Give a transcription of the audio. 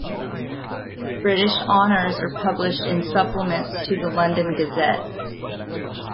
British honours are published in supplements to the "London Gazette".